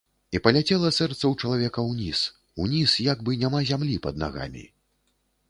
І паляцела сэрца ў чалавека ўніз, уніз, як бы няма зямлі пад нагамі.